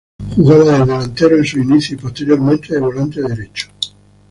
Jugaba de delantero en sus inicios y posteriormente de volante derecho.